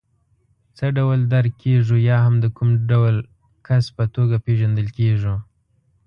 څه ډول درک کېږو یا هم د کوم ډول کس په توګه پېژندل کېږو.